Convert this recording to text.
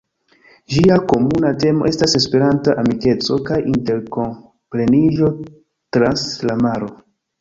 Ĝia komuna temo estas "Esperanta amikeco kaj interkompreniĝo trans la maro".